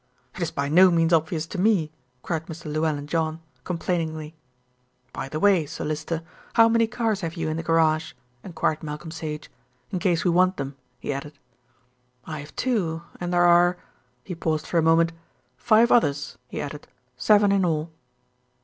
"It's by no means obvious to me," cried Mr. Llewellyn John, complainingly. "By the way, Sir Lyster, how many cars have you in the garage?" enquired Malcolm Sage. "In case we want them," he added. "I have two, and there are" he paused for a moment "five others," he added; "seven in all."